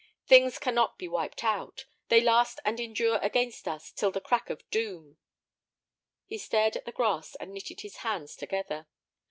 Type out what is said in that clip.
Things cannot be wiped out. They last and endure against us till the crack of doom." He stared at the grass and knitted his hands together.